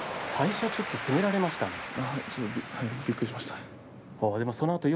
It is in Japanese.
最初はちょっと攻められましたね。